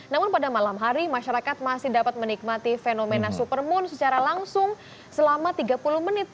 namun pada malam hari masyarakat masih dapat menikmati fenomena supermoon secara langsung selama tiga puluh menit